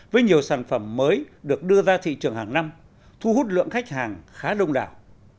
với nhiều sản phẩm mới được đưa ra thị trường hàng năm thu hút lượng khách hàng khá đông đảo